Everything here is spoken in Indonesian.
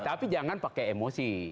tapi jangan pakai emosi